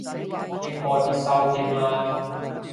應該必修添啦